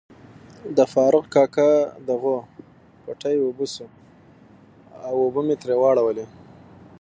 د فاروق کاکا دغو پټی اوبه شوای وو نو اوبه می تري واړولي.